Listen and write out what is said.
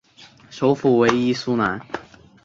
首府为伊苏兰。